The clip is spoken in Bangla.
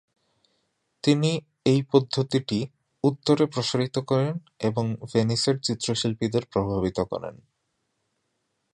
তিনি এই পদ্ধতিটি উত্তরে প্রসারিত করেন এবং ভেনিসের চিত্রশিল্পীদের প্রভাবিত করেন।